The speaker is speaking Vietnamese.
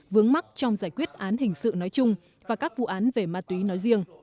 vướng mắt trong giải quyết án hình sự nói chung và các vụ án về ma túy nói riêng